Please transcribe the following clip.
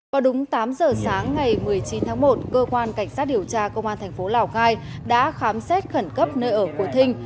vào đúng tám giờ sáng ngày một mươi chín tháng một cơ quan cảnh sát điều tra công an thành phố lào cai đã khám xét khẩn cấp nơi ở của thinh